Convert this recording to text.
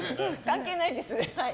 関係ないです。